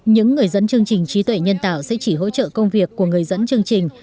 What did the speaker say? những người dẫn chương trình trí tuệ nhân tạo sẽ chỉ hỗ trợ công việc của người dẫn chương trình